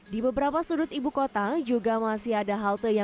di beberapa sudut ibu kota juga masih ada halte yang berbeda